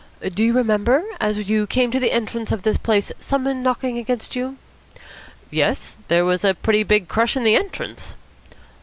"Do you remember, as you came to the entrance of this place, somebody knocking against you?" "Yes, there was a pretty big crush in the entrance."